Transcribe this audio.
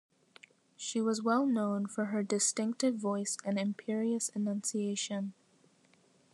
She was well known for her distinctive voice and imperious enunciation.